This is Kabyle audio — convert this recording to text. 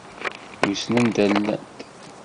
Wissen anda llant.